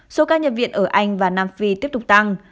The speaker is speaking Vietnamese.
số ca nhập viện ở anh và nam phi tiếp tục tăng